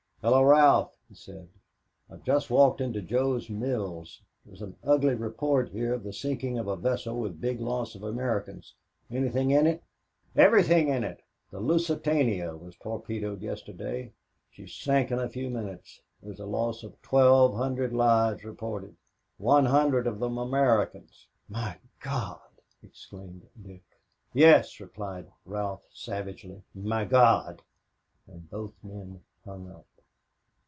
"Hello, Ralph," he said. "I've just walked into Jo's Mills. There's an ugly report here of the sinking of a vessel with big loss of Americans anything in it?" "Everything in it, the Lusitania was torpedoed yesterday she sank in a few minutes. There is a loss of twelve hundred lives reported, one hundred of them Americans." "My God!" exclaimed Dick. "Yes," replied Ralph, savagely, "my God!" and both men hung up.